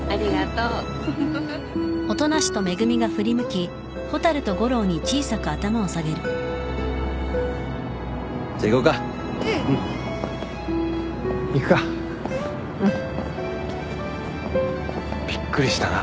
うん。びっくりしたな。